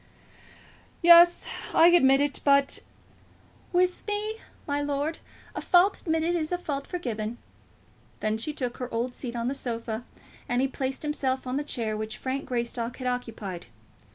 "Yes; I admit it but " "With me, my lord, a fault admitted is a fault forgiven." Then she took her old seat on the sofa, and he placed himself on the chair which Frank Greystock had occupied.